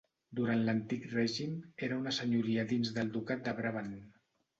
Durant l’antic règim era una senyoria dins del ducat de Brabant.